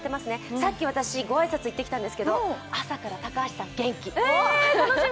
さっき私、ご挨拶に行ってきたんですけど朝から高橋さん、元気。